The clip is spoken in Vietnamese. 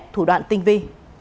thủ đoạn tinh vi